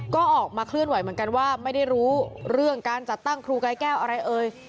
ก็ออกมาเคลื่อนไหวเหมือนกันว่าไม่ได้รู้เรื่องการจัดตั้งครูกายแก้วอะไรเอ่ย